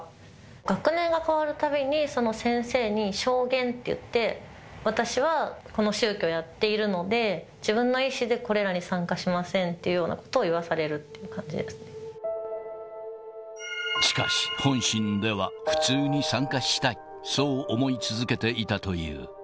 学年が変わるたびに、その先生に証言っていって、私はこの宗教をやっているので、自分の意思でこれらに参加しませんっていうようなことを言わされしかし、本心では普通に参加したい、そう思い続けていたという。